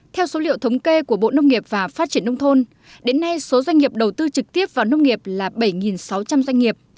theo số liệu thống kê của bộ nông nghiệp và phát triển nông thôn đến nay số doanh nghiệp đầu tư trực tiếp vào nông nghiệp là bảy sáu trăm linh doanh nghiệp